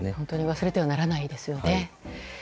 忘れてはならないですよね。